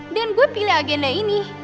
dan gue pilih agenda ini